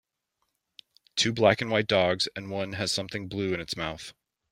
Two black and white dogs and one has something blue in its mouth.